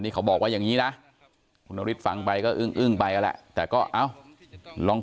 เขาบอกว่าอย่างนี้นะคุณนฤทธิฟังไปก็อึ้งไปนั่นแหละแต่ก็เอ้าลอง